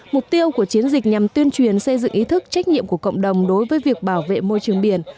mục tiêu của chiến dịch nhằm tuyên truyền xây dựng ý thức trách nhiệm của cộng đồng đối với việc bảo vệ môi trường biển